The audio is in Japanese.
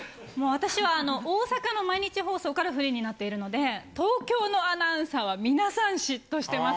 私は大阪の毎日放送からフリーになっているので東京のアナウンサーは皆さん嫉妬してます。